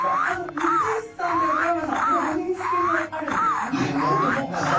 光石さんと横山さんはご面識もあるんですね。